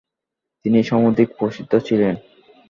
তিনি সমধিক প্রসিদ্ধ ছিলেন।